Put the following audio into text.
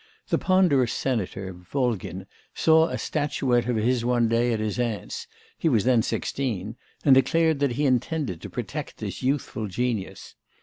The ponderous senator, Volgin, saw a statuette of his one day at his aunt's he was then sixteen and declared that he intended to protect this youthful genius.